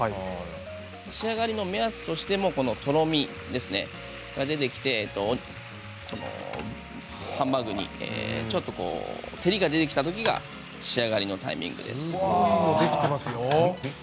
仕上がりの目安としてもとろみが出てきてハンバーグにちょっと照りが出てきたときがすごいのができていますよ。